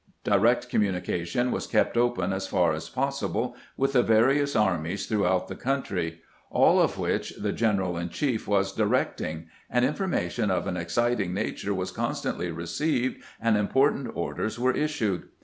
Direct communication was kept open as far as possible with the various armies throughout the country, all of which the general in chief was direct ing, and information of an exciting nature was con stantly received and important orders were issued.